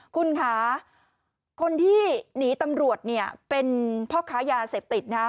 คุณค่ะคนที่หนีตำรวจเนี่ยเป็นพ่อค้ายาเสพติดนะ